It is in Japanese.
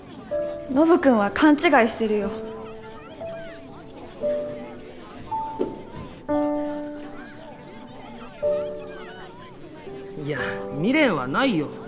ノブ君は勘違いしてるよいや未練はないよ。